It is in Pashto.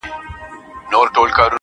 o نن د هر گل زړگى په وينو رنـــــگ دى.